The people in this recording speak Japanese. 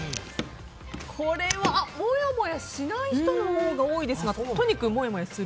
もやもやしない人のほうが多いですが都仁君、もやもやする？